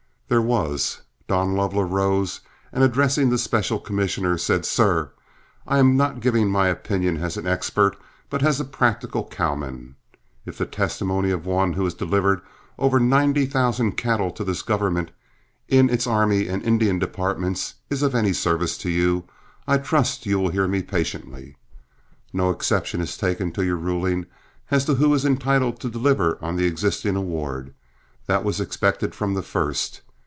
There was. Don Lovell arose, and addressing the special commissioner, said: "Sir, I am not giving my opinion as an expert but as a practical cowman. If the testimony of one who has delivered over ninety thousand cattle to this government, in its army and Indian departments, is of any service to you, I trust you will hear me patiently. No exception is taken to your ruling as to who is entitled to deliver on the existing award; that was expected from the first.